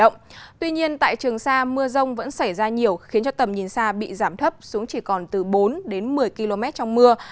nhưng tại trường xa mưa rông vẫn xảy ra nhiều khiến tầm nhìn xa bị giảm thấp xuống chỉ còn từ bốn đến một mươi km trong mưa